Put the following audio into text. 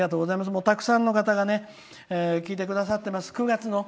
たくさんの方が来てくださってます。